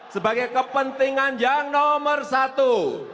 sebagai kepentingan yang nomor satu